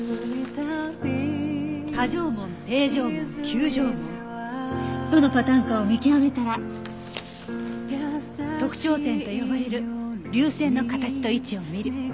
渦状紋蹄状紋弓状紋どのパターンかを見極めたら特徴点と呼ばれる隆線の形と位置を見る。